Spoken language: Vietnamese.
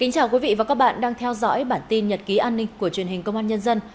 chào mừng quý vị đến với bản tin nhật ký an ninh của truyền hình công an nhân dân